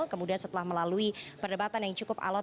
kemudian setelah melalui perdebatan yang cukup alot